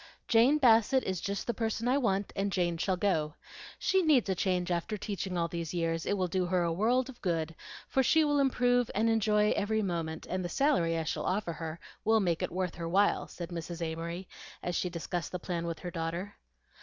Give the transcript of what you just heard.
"Jane Bassett is just the person I want, and Jane shall go. She needs a change after teaching all these years; it will do her a world of good, for she will improve and enjoy every moment, and the salary I shall offer her will make it worth her while," said Mrs. Amory, as she discussed the plan with her daughter.